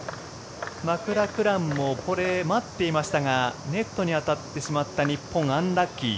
マクラクランもこれ待っていましたがネットに当たってしまった日本アンラッキー。